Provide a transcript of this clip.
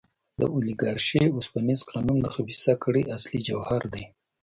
د اولیګارشۍ اوسپنیز قانون د خبیثه کړۍ اصلي جوهر دی.